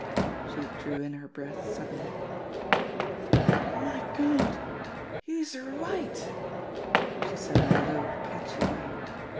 She drew in her breath suddenly. "My Gawd, youse're white!" she said in a low, catchy way.